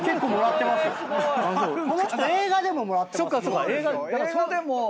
この人映画でももらってますよ。